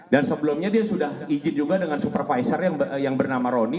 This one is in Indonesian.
dan sebelumnya dia sudah izin juga dengan supervisor yang bernama roni